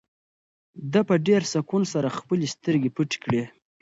ده په ډېر سکون سره خپلې سترګې پټې کړې.